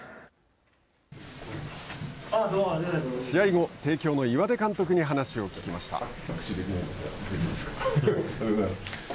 試合後、帝京の岩出監督に話を聞きました。